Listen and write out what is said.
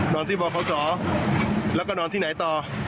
นอนที่บขแล้วก็นอนที่ไหนต่อ